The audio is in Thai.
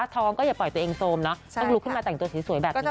ท้องก็อย่าปล่อยตัวเองโซมเนอะต้องลุกขึ้นมาแต่งตัวสวยแบบนี้